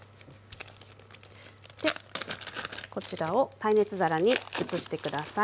でこちらを耐熱皿に移して下さい。